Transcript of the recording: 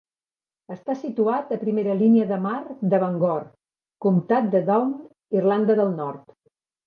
Està situat a primera línia de mar de Bangor, Comtat de Down, Irlanda del Nord.